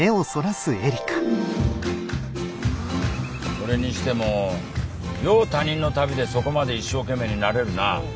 それにしてもよう他人の旅でそこまで一生懸命になれるな。